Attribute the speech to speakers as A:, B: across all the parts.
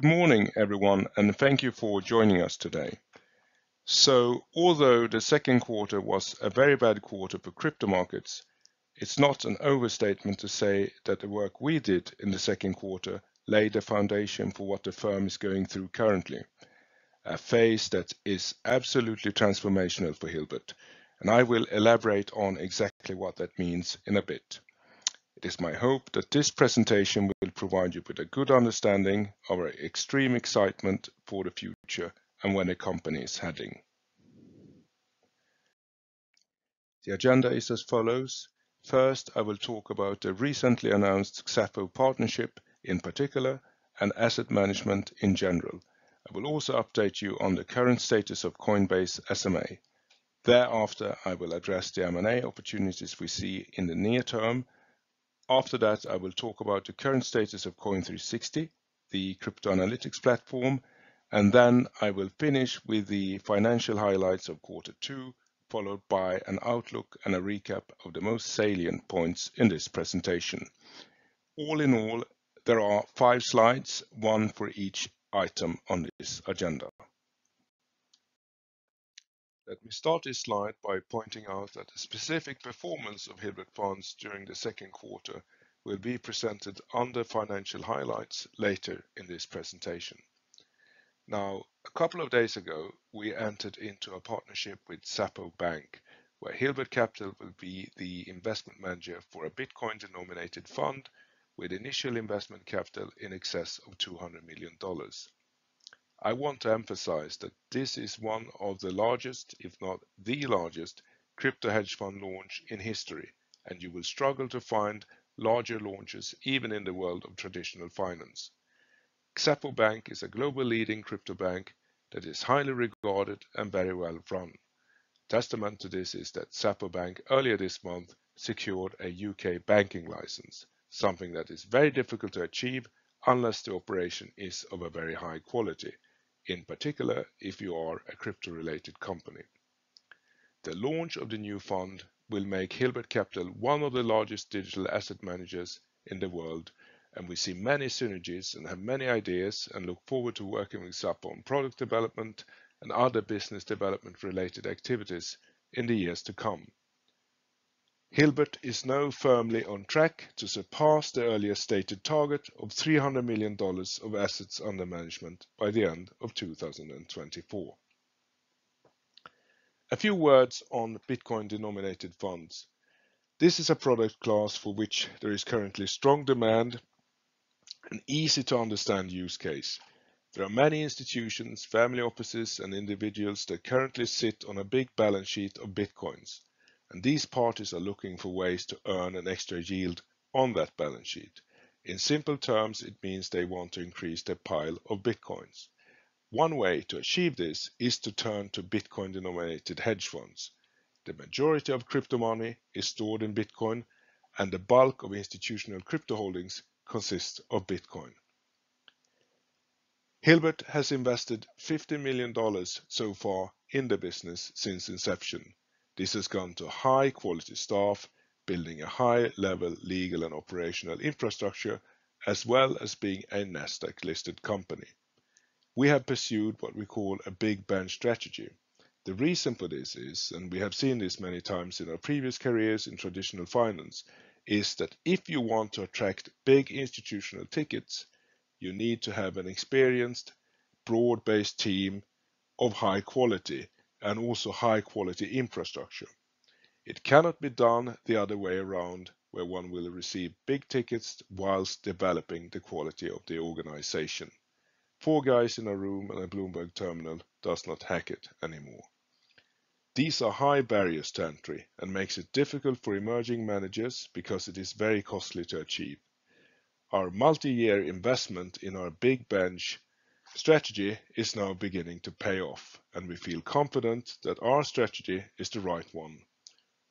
A: Good morning, everyone, and thank you for joining us today. So although the second quarter was a very bad quarter for crypto markets, it's not an overstatement to say that the work we did in the second quarter laid the foundation for what the firm is going through currently. A phase that is absolutely transformational for Hilbert, and I will elaborate on exactly what that means in a bit. It is my hope that this presentation will provide you with a good understanding of our extreme excitement for the future and where the company is heading. The agenda is as follows: First, I will talk about the recently announced Xapo partnership in particular, and asset management in general. I will also update you on the current status of Coinbase SMA. Thereafter, I will address the M&A opportunities we see in the near term. After that, I will talk about the current status of Coin360, the crypto analytics platform, and then I will finish with the financial highlights of quarter two, followed by an outlook and a recap of the most salient points in this presentation. All in all, there are five slides, one for each item on this agenda. Let me start this slide by pointing out that the specific performance of Hilbert funds during the second quarter will be presented under financial highlights later in this presentation. Now, a couple of days ago, we entered into a partnership with Xapo Bank, where Hilbert Capital will be the investment manager for a Bitcoin-denominated fund with initial investment capital in excess of $200 million. I want to emphasize that this is one of the largest, if not the largest, crypto hedge fund launch in history, and you will struggle to find larger launches, even in the world of traditional finance. Xapo Bank is a global leading crypto bank that is highly regarded and very well run. Testament to this is that Xapo Bank, earlier this month, secured a U.K. banking license, something that is very difficult to achieve unless the operation is of a very high quality, in particular, if you are a crypto-related company. The launch of the new fund will make Hilbert Capital one of the largest digital asset managers in the world, and we see many synergies and have many ideas and look forward to working with Xapo on product development and other business development-related activities in the years to come. Hilbert is now firmly on track to surpass the earlier stated target of $300 million of assets under management by the end of 2024. A few words on Bitcoin-denominated funds. This is a product class for which there is currently strong demand and easy-to-understand use case. There are many institutions, family offices, and individuals that currently sit on a big balance sheet of Bitcoins, and these parties are looking for ways to earn an extra yield on that balance sheet. In simple terms, it means they want to increase their pile of Bitcoins. One way to achieve this is to turn to Bitcoin-denominated hedge funds. The majority of crypto money is stored in Bitcoin, and the bulk of institutional crypto holdings consists of Bitcoin. Hilbert has invested $50 million so far in the business since inception. This has gone to high-quality staff, building a high-level legal and operational infrastructure, as well as being a Nasdaq-listed company. We have pursued what we call a Big Bench Strategy. The reason for this is, and we have seen this many times in our previous careers in traditional finance, is that if you want to attract big institutional tickets, you need to have an experienced, broad-based team of high quality and also high-quality infrastructure. It cannot be done the other way around, where one will receive big tickets while developing the quality of the organization. Four guys in a room and a Bloomberg Terminal does not hack it anymore. These are high barriers to entry and makes it difficult for emerging managers because it is very costly to achieve. Our multi-year investment in our Big Bench Strategy is now beginning to pay off, and we feel confident that our strategy is the right one.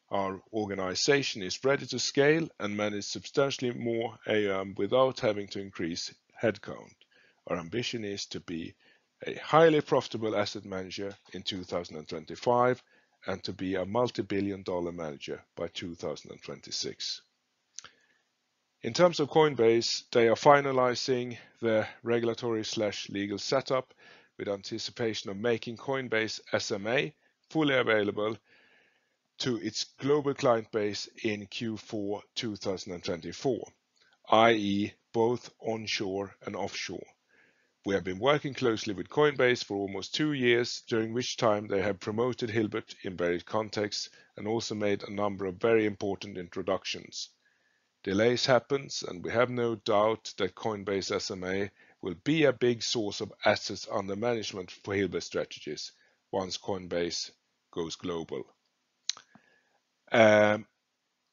A: Our organization is ready to scale and manage substantially more AM without having to increase headcount. Our ambition is to be a highly profitable asset manager in two thousand and twenty-five, and to be a multi-billion dollar manager by two thousand and twenty-six. In terms of Coinbase, they are finalizing their regulatory/legal setup with anticipation of making Coinbase SMA fully available to its global client base in Q4 2024, i.e., both onshore and offshore. We have been working closely with Coinbase for almost two years, during which time they have promoted Hilbert in various contexts and also made a number of very important introductions. Delays happens, and we have no doubt that Coinbase SMA will be a big source of assets under management for Hilbert strategies once Coinbase goes global.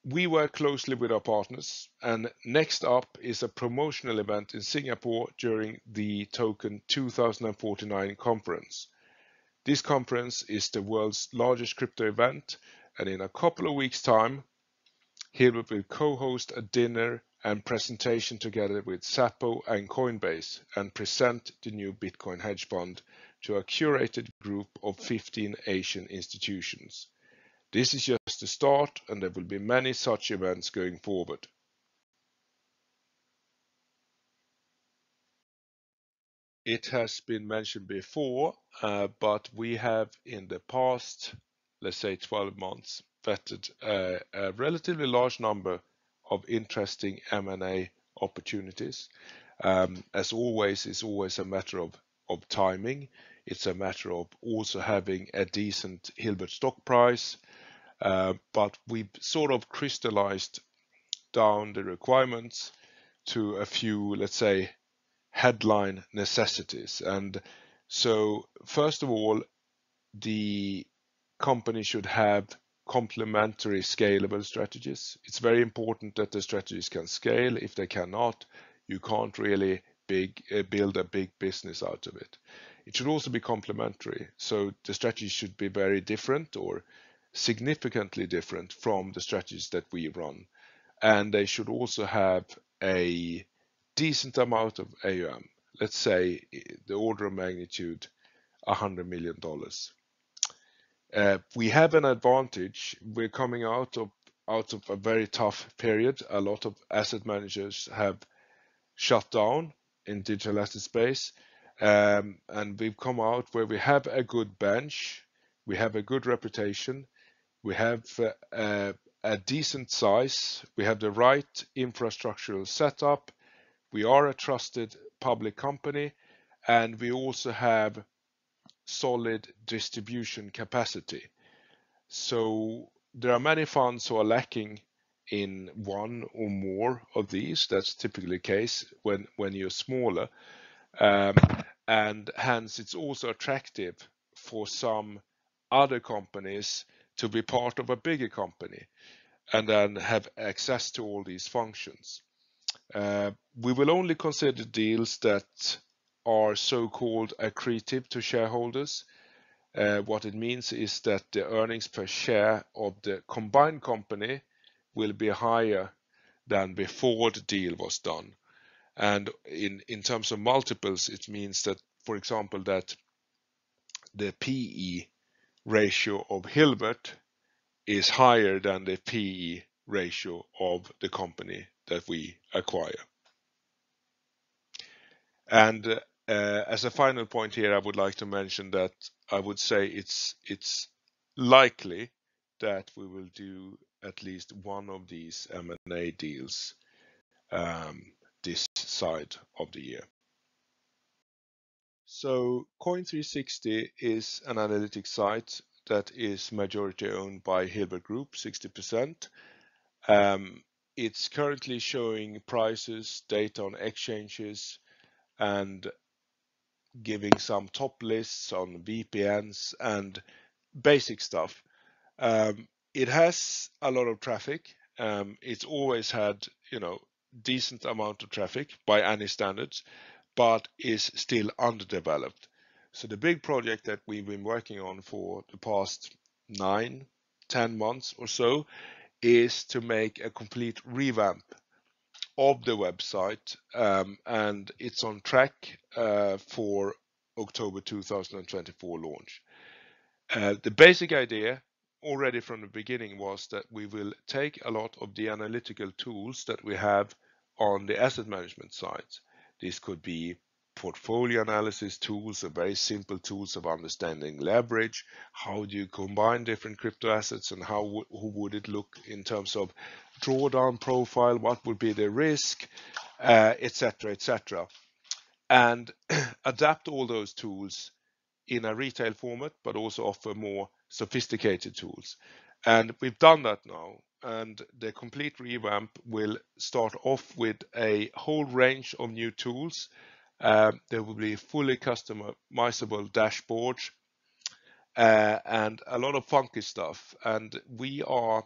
A: We work closely with our partners, and next up is a promotional event in Singapore during the Token two thousand and forty-nine conference. This conference is the world's largest crypto event, and in a couple of weeks' time, Hilbert will co-host a dinner and presentation together with Xapo and Coinbase and present the new Bitcoin hedge fund to a curated group of 15 Asian institutions. This is just the start, and there will be many such events going forward. It has been mentioned before, but we have in the past, let's say 12 months, vetted a relatively large number of interesting M&A opportunities. As always, it's always a matter of timing. It's a matter of also having a decent Hilbert stock price. But we've sort of crystallized down the requirements to a few, let's say, headline necessities. And so first of all, the company should have complementary scalable strategies. It's very important that the strategies can scale. If they cannot, you can't really build a big business out of it. It should also be complementary, so the strategies should be very different or significantly different from the strategies that we run, and they should also have a decent amount of AUM. Let's say, the order of magnitude, $100 million. We have an advantage. We're coming out of a very tough period. A lot of asset managers have shut down in digital asset space, and we've come out where we have a good bench, we have a good reputation, we have a decent size, we have the right infrastructural setup, we are a trusted public company, and we also have solid distribution capacity. So there are many funds who are lacking in one or more of these. That's typically the case when you're smaller. And hence, it's also attractive for some other companies to be part of a bigger company and then have access to all these functions. We will only consider deals that are so-called accretive to shareholders. What it means is that the earnings per share of the combined company will be higher than before the deal was done. And in terms of multiples, it means that, for example, that the P/E ratio of Hilbert is higher than the P/E ratio of the company that we acquire. And, as a final point here, I would like to mention that I would say it's likely that we will do at least one of these M&A deals, this side of the year. Coin360 is an analytic site that is majority-owned by Hilbert Group, 60%. It's currently showing prices, data on exchanges, and giving some top lists on VPNs and basic stuff. It has a lot of traffic. It's always had, you know, decent amount of traffic by any standards, but is still underdeveloped. So the big project that we've been working on for the past nine, ten months or so, is to make a complete revamp of the website, and it's on track for October two thousand and twenty-four launch. The basic idea already from the beginning was that we will take a lot of the analytical tools that we have on the asset management side. This could be portfolio analysis tools, or very simple tools of understanding leverage. How do you combine different crypto assets, and how would it look in terms of drawdown profile? What would be the risk? et cetera, et cetera. And adapt all those tools in a retail format, but also offer more sophisticated tools. And we've done that now, and the complete revamp will start off with a whole range of new tools. There will be fully customizable dashboard, and a lot of funky stuff, and we are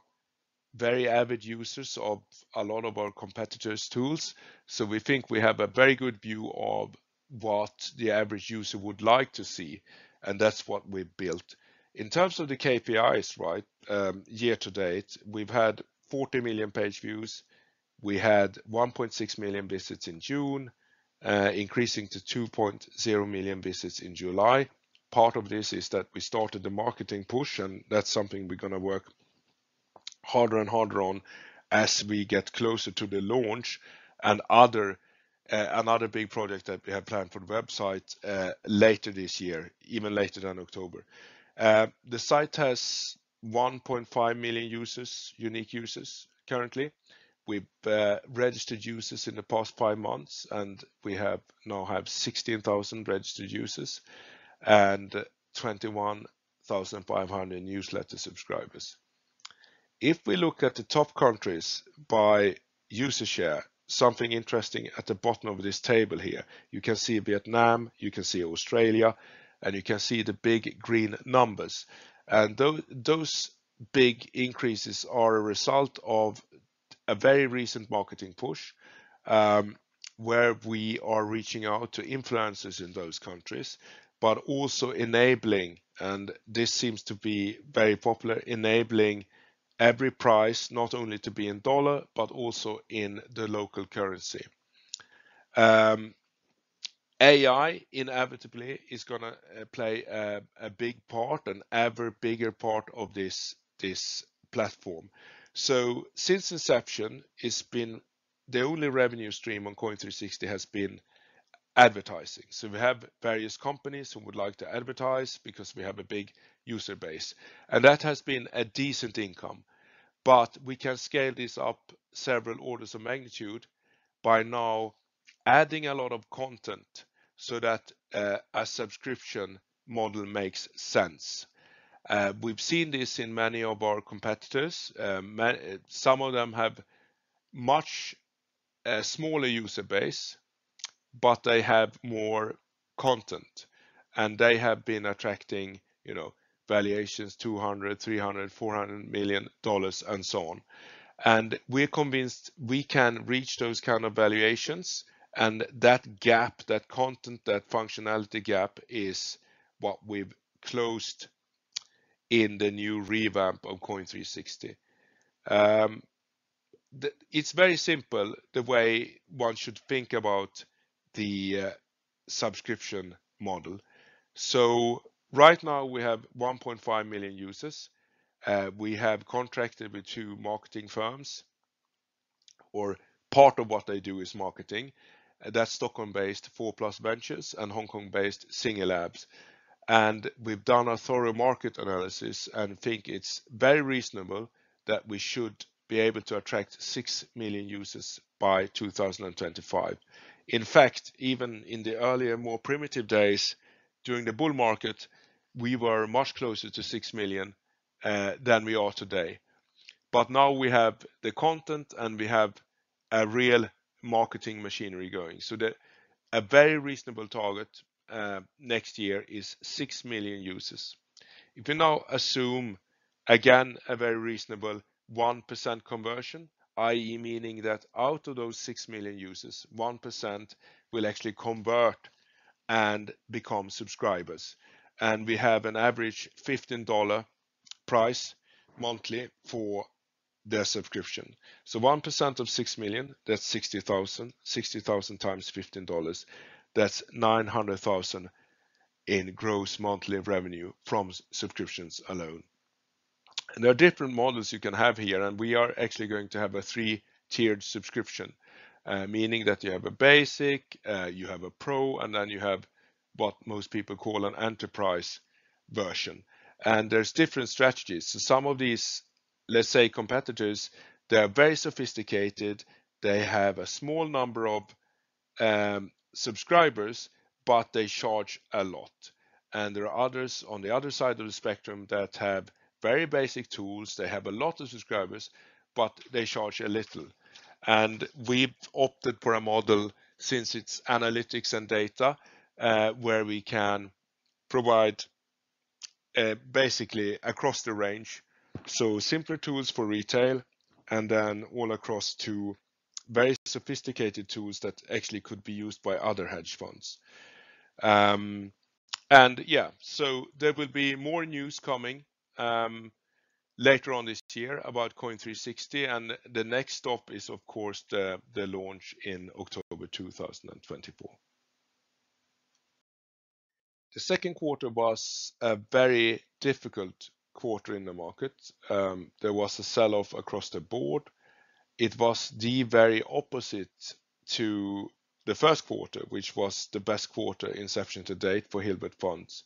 A: very avid users of a lot of our competitors' tools, so we think we have a very good view of what the average user would like to see, and that's what we've built. In terms of the KPIs, right, year to date, we've had 40 million page views. We had 1.6 million visits in June, increasing to 2.0 million visits in July. Part of this is that we started the marketing push, and that's something we're gonna work harder and harder on as we get closer to the launch and another big project that we have planned for the website, later this year, even later than October. The site has 1.5 million users, unique users currently. We've registered users in the past five months, and we have 16,000 registered users and 21,500 newsletter subscribers. If we look at the top countries by user share, something interesting at the bottom of this table here, you can see Vietnam, you can see Australia, and you can see the big green numbers. Those big increases are a result of a very recent marketing push, where we are reaching out to influencers in those countries, but also enabling, and this seems to be very popular, enabling every price, not only to be in dollar, but also in the local currency. AI inevitably is gonna play a big part and ever bigger part of this platform. Since inception, it's been the only revenue stream on Coin360 has been advertising. We have various companies who would like to advertise because we have a big user base, and that has been a decent income. We can scale this up several orders of magnitude by now adding a lot of content so that a subscription model makes sense. We've seen this in many of our competitors. Some of them have much smaller user base, but they have more content, and they have been attracting, you know, valuations, $200 million, $300 million, $400 million and so on. We're convinced we can reach those kind of valuations, and that gap, that content, that functionality gap, is what we've closed in the new revamp of Coin360. It's very simple, the way one should think about the subscription model. Right now, we have 1.5 million users. We have contracted with two marketing firms, or part of what they do is marketing. That's Stockholm-based Four Plus Ventures and Hong Kong-based Singul Labs. And we've done a thorough market analysis and think it's very reasonable that we should be able to attract six million users by two thousand and twenty-five. In fact, even in the earlier, more primitive days, during the bull market, we were much closer to six million than we are today. But now we have the content, and we have a real marketing machinery going. So a very reasonable target next year is six million users. If you now assume, again, a very reasonable 1% conversion, i.e., meaning that out of those six million users, 1% will actually convert and become subscribers, and we have an average $15 price monthly for their subscription. 1% of 6 million, that's 60,000. 60,000 times $15, that's $900,000 in gross monthly revenue from subscriptions alone. There are different models you can have here, and we are actually going to have a three-tiered subscription, meaning that you have a basic, you have a pro, and then you have what most people call an enterprise version. There's different strategies. Some of these, let's say, competitors, they are very sophisticated. They have a small number of subscribers, but they charge a lot. There are others on the other side of the spectrum that have very basic tools. They have a lot of subscribers, but they charge a little. And we've opted for a model, since it's analytics and data, where we can provide, basically across the range, so simpler tools for retail and then all across to very sophisticated tools that actually could be used by other hedge funds. And yeah, so there will be more news coming, later on this year about Coin360, and the next stop is, of course, the launch in October two thousand and twenty-four. The second quarter was a very difficult quarter in the market. There was a sell-off across the board. It was the very opposite to the first quarter, which was the best quarter inception to date for Hilbert Funds.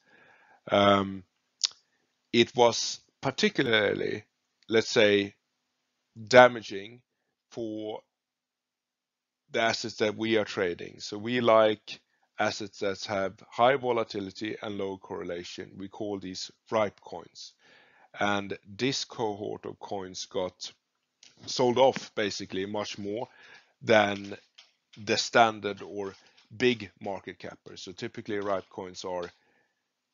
A: It was particularly, let's say, damaging for the assets that we are trading. So we like assets that have high volatility and low correlation. We call these Ripe Coins, and this cohort of coins got sold off basically much more than the standard or big market cap. So typically, Ripe Coins are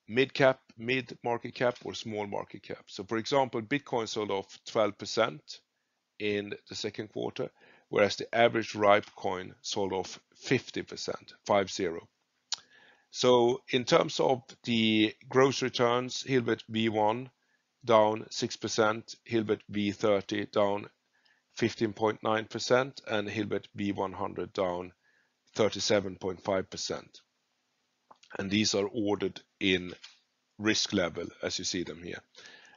A: mid-cap, mid-market cap or small market cap. So, for example, Bitcoin sold off 12% in the second quarter, whereas the average Ripe Coin sold off 50%, five zero. So in terms of the gross returns, Hilbert V1 down 6%, Hilbert V30 down 15.9%, and Hilbert V100 down 37.5%. And these are ordered in risk level as you see them here.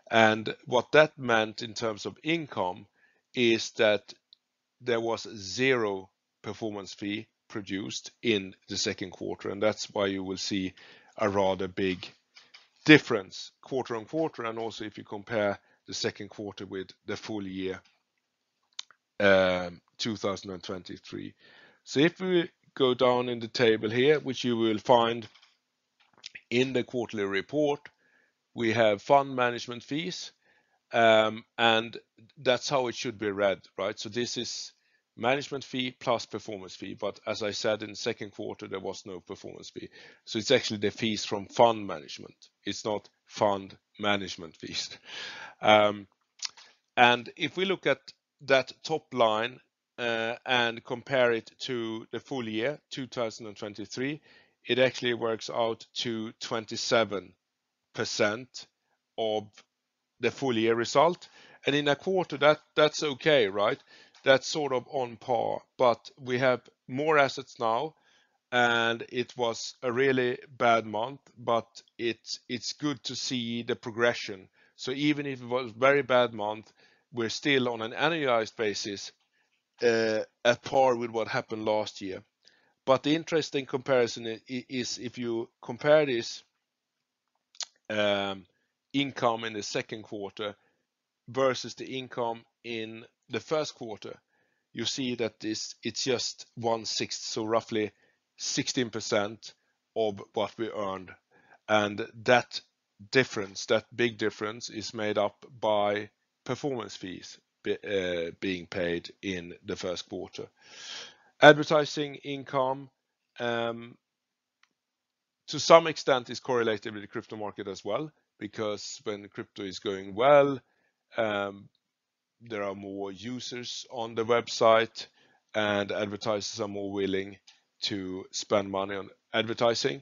A: And what that meant in terms of income is that there was zero performance fee produced in the second quarter, and that's why you will see a rather big difference quarter on quarter, and also if you compare the second quarter with the full year, 2023. So if we go down in the table here, which you will find in the quarterly report, we have fund management fees, and that's how it should be read, right? So this is management fee plus performance fee, but as I said, in the second quarter, there was no performance fee. So it's actually the fees from fund management. It's not fund management fees. And if we look at that top line, and compare it to the full year, 2023, it actually works out to 27% of the full year result. And in a quarter, that's okay, right? That's sort of on par, but we have more assets now, and it was a really bad month, but it's good to see the progression. So even if it was a very bad month, we're still on an annualized basis at par with what happened last year. But the interesting comparison is if you compare this income in the second quarter versus the income in the first quarter, you see that this, it's just one-sixth, so roughly 16% of what we earned. And that difference, that big difference, is made up by performance fees being paid in the first quarter. Advertising income, to some extent, is correlated with the crypto market as well, because when crypto is going well, there are more users on the website, and advertisers are more willing to spend money on advertising.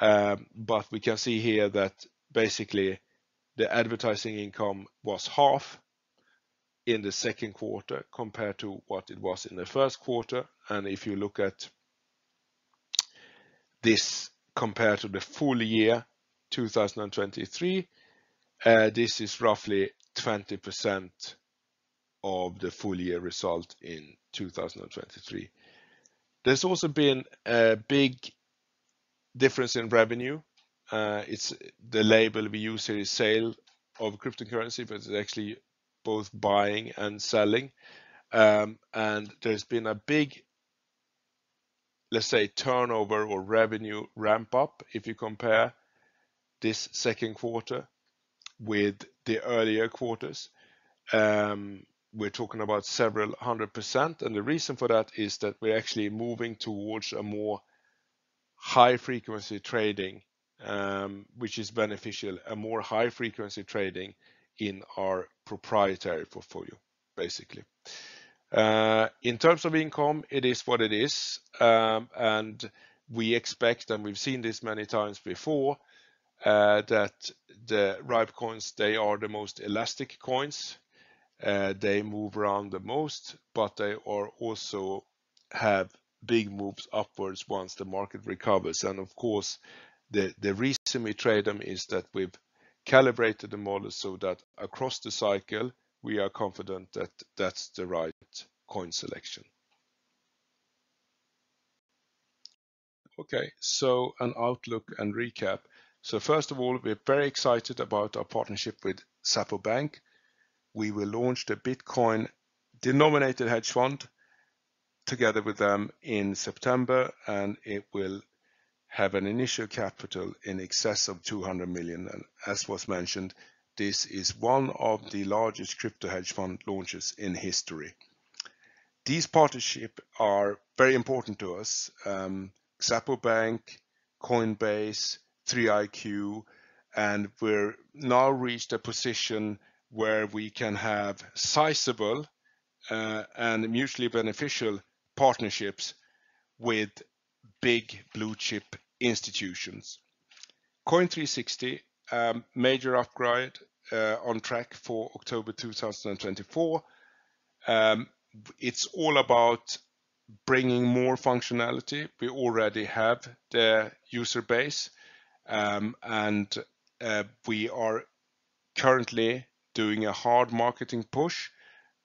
A: But we can see here that basically, the advertising income was half in the second quarter compared to what it was in the first quarter. And if you look at this compared to the full year, two thousand and twenty-three, this is roughly 20% of the full year result in two thousand and twenty-three. There's also been a big difference in revenue. It's the label we use here is sale of cryptocurrency, but it's actually both buying and selling. And there's been a big, let's say, turnover or revenue ramp up if you compare this second quarter with the earlier quarters. We're talking about several hundred%, and the reason for that is that we're actually moving towards a more high-frequency trading, which is beneficial, in our proprietary portfolio, basically. In terms of income, it is what it is, and we expect, and we've seen this many times before, that the Ripe Coins, they are the most elastic coins. They move around the most, but they are also have big moves upwards once the market recovers. And of course, the reason we trade them is that we've calibrated the model so that across the cycle, we are confident that that's the right coin selection. Okay, so an outlook and recap. So first of all, we're very excited about our partnership with Xapo Bank. We will launch the Bitcoin-denominated hedge fund together with them in September, and it will have an initial capital in excess of $200 million, and as was mentioned, this is one of the largest crypto hedge fund launches in history. These partnerships are very important to us. Xapo Bank, Coinbase, 3iQ, and we've now reached a position where we can have sizable, and mutually beneficial partnerships with big blue-chip institutions. Coin360, major upgrade, on track for October 2024. It's all about bringing more functionality. We already have the user base, and we are currently doing a hard marketing push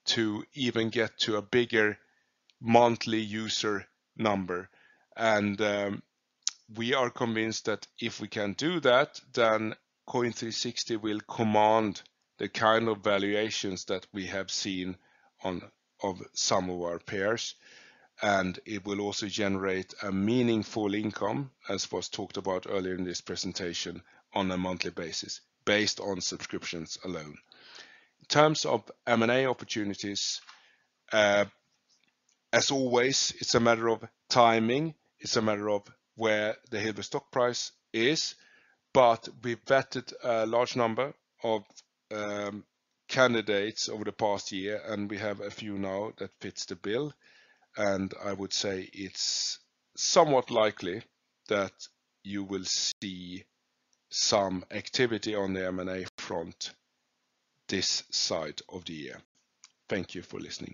A: to even get to a bigger monthly user number. We are convinced that if we can do that, then Coin360 will command the kind of valuations that we have seen on, of some of our peers, and it will also generate a meaningful income, as was talked about earlier in this presentation, on a monthly basis, based on subscriptions alone. In terms of M&A opportunities, as always, it's a matter of timing, it's a matter of where the Hilbert stock price is, but we vetted a large number of, candidates over the past year, and we have a few now that fits the bill, and I would say it's somewhat likely that you will see some activity on the M&A front this side of the year. Thank you for listening.